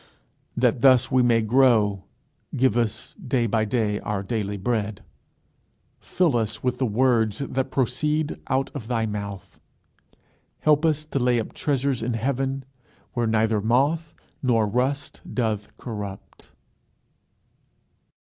That thus we may grow, give us day by day our daily bread. Fill us with the words that proceed out of thy mouth. Help us to lay up treasures in heaven, where neither moth nor rust doth corrupt.